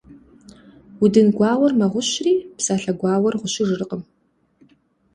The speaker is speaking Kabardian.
Удын гуауэр мэгъущри, псалъэ гуауэр гъущыжыркъым.